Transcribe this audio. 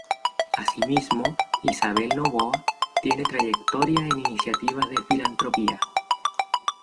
Así mismo, Isabel Noboa tiene trayectoria en iniciativas de filantropía.